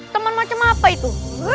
teman macam apa itu